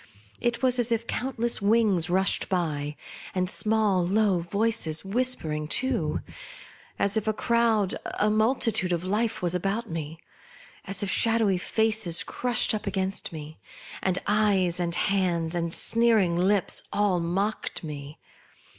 It was as if countless wings rushed by, and small low voices whispering too ; as if a crowd, a mul titude of life was about me ; as if shadowy faces crushed up against me, and eyes and hands, and sneering lips, all mocked me.